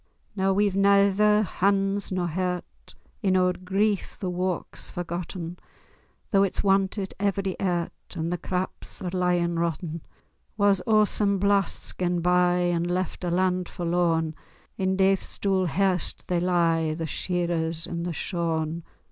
Noo we've naether hands nor hairt— In oor grief the wark's forgotten, Though it's wantit every airt, And the craps are lyin' rotten. War's awsome blast's gane bye, And left a land forlorn; In daith's dool hairst they lie, The shearers and the shorn.